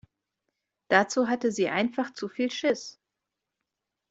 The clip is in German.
Dazu hatte sie einfach zu viel Schiss.